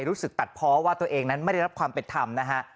รู้สึกตัดเพราะว่าตัวเองนั้นไม่ได้รับความเป็นธรรมนะฮะ